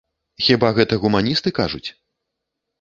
Хіба гэта гуманісты кажуць?